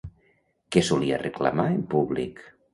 Què solia reclamar en públic?